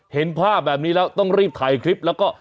เห็นภาพแบบนี้แล้วต้องรีบถ่ายคลิปแล้วก็